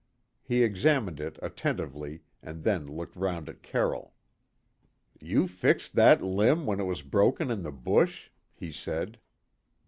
He examined it attentively, and then looked round at Carroll. "You fixed that limb when it was broken in the bush?" he said.